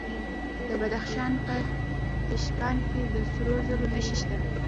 د بدخشان په تیشکان کې د سرو زرو نښې شته.